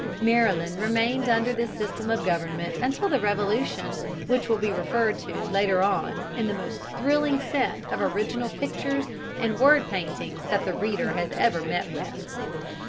Maryland remained under this system of government until the Revolution, which will be referred to later on in the most thrilling set of original pictures and word paintings that the reader has ever met with.